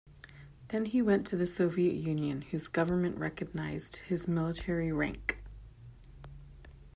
Then he went to the Soviet Union, whose government recognized his military rank.